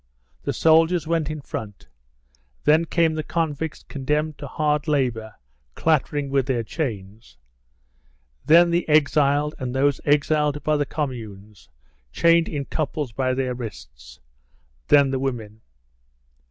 The soldiers went in front; then came the convicts condemned to hard labour, clattering with their chains; then the exiled and those exiled by the Communes, chained in couples by their wrists; then the women.